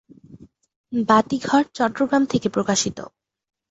বাতিঘর চট্টগ্রাম থেকে প্রকাশিত।